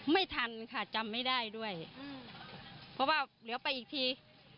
ไม่ทันค่ะจำไม่ได้ด้วยอืมเพราะว่าเดี๋ยวไปอีกที